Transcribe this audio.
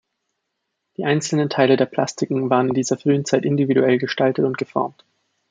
Die einzelnen Teile der Plastiken waren in dieser frühen Zeit individuell gestaltet und geformt.